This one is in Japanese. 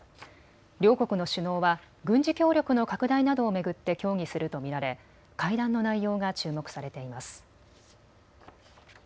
両国の首脳は軍事協力の拡大などを巡って協議すると見られ会談の内容が注目されています。